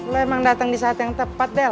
lo emang dateng di saat yang tepat del